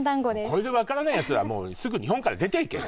これで分からないやつはもうすぐ日本から出て行け